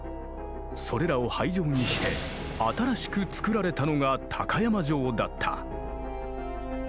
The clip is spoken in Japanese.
それらを廃城にして新しく造られたのが高山城だった。